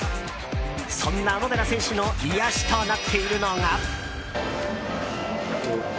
そんな小野寺選手の癒やしとなっているのが。